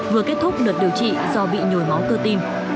vừa kết thúc được điều trị do bị nồi máu cơ tim